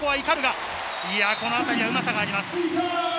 このあたりはうまさがあります、鵤。